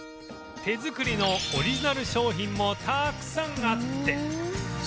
手作りのオリジナル商品もたくさんあって